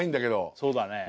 そうだね。